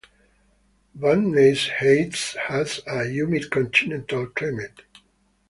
Vadnais Heights has a humid continental climate.